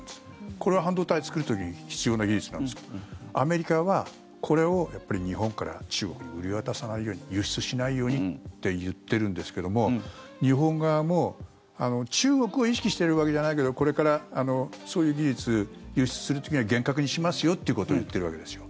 これは半導体を作る時に必要な技術なんですけどアメリカはこれを日本から中国に売り渡さないように輸出しないようにって言ってるんですけども日本側も中国を意識してるわけじゃないけどこれから、そういう技術輸出する時は厳格にしますよっていうことを言ってるわけですよ。